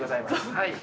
はい。